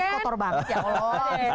kotor banget ya allah